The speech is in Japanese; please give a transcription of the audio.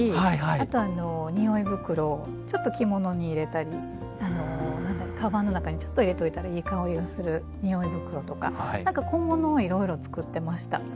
あとあの匂い袋をちょっと着物に入れたりあのかばんの中にちょっと入れといたらいい香りがする匂い袋とか何か小物をいろいろ作ってました。